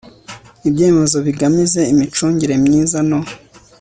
ibyemezo bigamije imicungire myiza no